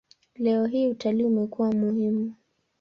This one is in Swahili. Leo hii utalii umekuwa muhimu.